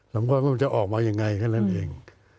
สำคัญว่ามันจะออกมาอย่างไรก็นั่นเอง